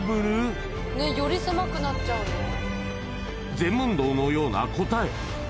禅問答のような答え